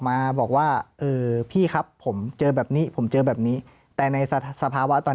มาบอกว่าเออพี่ครับผมเจอแบบนี้ผมเจอแบบนี้แต่ในสภาวะตอน